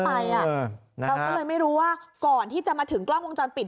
เราก็เลยไม่รู้ว่าก่อนที่จะมาถึงกล้องวงจรปิด